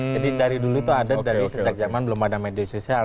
jadi dari dulu itu ada dari sejak zaman belum ada media sosial